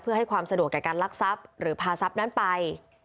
เพื่อให้ความสะดวกแก่การลักทรัพย์หรือพาทรัพย์นั้นไป